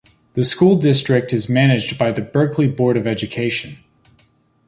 The school district is managed by the Berkeley Board of Education.